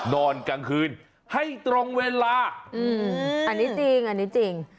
นอนกลางคืนให้ตรงเวลาอันนี้จริงอันนี้จริง